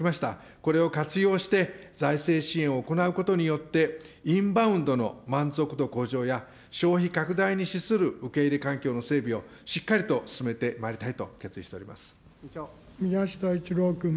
これを活用して、財政支援を行うことによって、インバウンドの満足度向上や、消費拡大に資する受け入れ環境の整備をしっかりと進めてまいりた宮下一郎君。